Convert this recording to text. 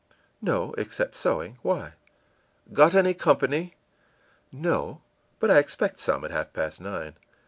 î ìNo except sewing. Why?î ìGot any company?î ìNo, but I expect some at half past nine.